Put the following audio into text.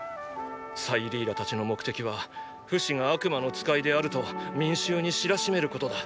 サイリーラたちの目的はフシが悪魔の使いであると民衆に知らしめることだ。